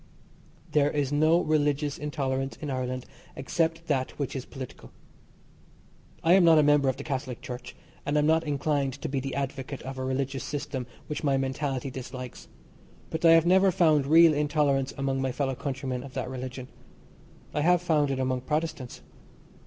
There is no religious intolerance in Ireland except that which is political. I am not a member of the Catholic Church, and am not inclined to be the advocate of a religious system which my mentality dislikes, but I have never found real intolerance among my fellow countrymen of that religion. I have found it among Protestants.